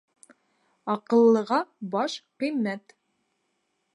Аҡыллыға баш ҡиммәт